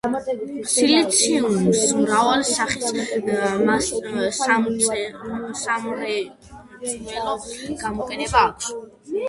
სილიციუმს მრავალი სახის სამრეწველო გამოყენება აქვს.